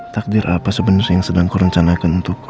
takdir apa sebenernya yang sedang kurencanakan untukku